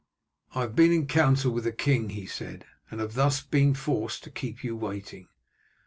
"I have been in council with the king," he said, "and have thus been forced to keep you waiting.